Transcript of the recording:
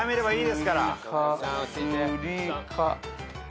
はい。